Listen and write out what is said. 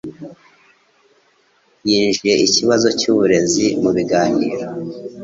Yinjije ikibazo cyuburezi mubiganiro.